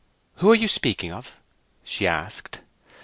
"Who are you speaking of?" she asked.